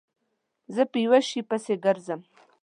زه په یوه شي پسې گرځم